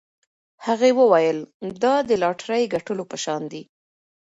هغې وویل دا د لاټرۍ ګټلو په شان دی.